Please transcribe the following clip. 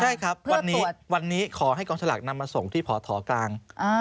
ใช่ครับวันนี้ขอให้กองสลากนำมาส่งที่พฐกลาง